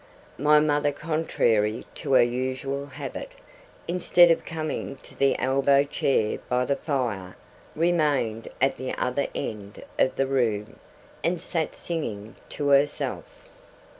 My mother, contrary to her usual habit, instead of coming to the elbow chair by the fire, remained at the other end of the room, and sat singing to herself.